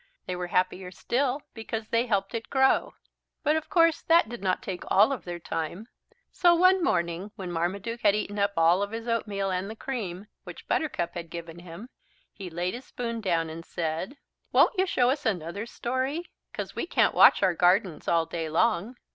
They were happier still because they helped it grow. But of course that did not take all of their time. So one morning when Marmaduke had eaten up all of his oatmeal and the cream, which Buttercup had given him, he laid his spoon down and said: "Won't you show us another story, 'cause we can't watch our gardens all day long?"